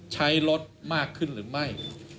ใช้รถมากขึ้นหรือไม่